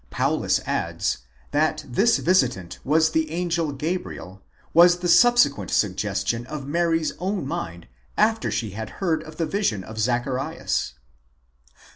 Paulus adds: that this visitant was the angel Gabriel was the subsequent suggestion of Mary's own mind, after she had. heard of the vision of Zacharias.